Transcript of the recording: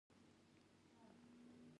دا دین تجدید نه دی.